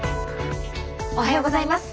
おはようございます。